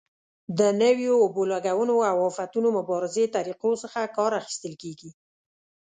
د نویو اوبه لګونې او آفتونو مبارزې طریقو څخه کار اخیستل کېږي.